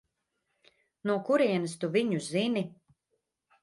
No kurienes tu viņu zini?